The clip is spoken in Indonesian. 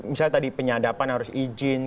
misalnya tadi penyadapan harus izin